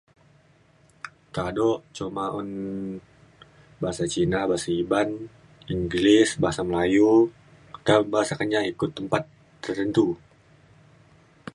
kado cuma un bahasa Cina bahasa Iban English bahasa Melayu meka bahasa Kenyah ikut tempat tertentu.